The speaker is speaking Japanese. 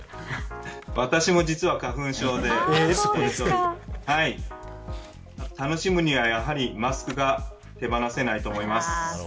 私も実は花粉症で楽しむには、やはりマスクが手放せないと思います。